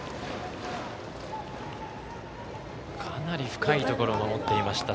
かなり深いところを守っていました。